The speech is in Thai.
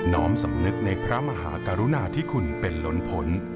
้อมสำนึกในพระมหากรุณาที่คุณเป็นล้นผล